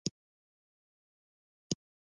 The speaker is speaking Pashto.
د بوتلونو او کاغذي قوتیو یو ډېران جوړ شوی.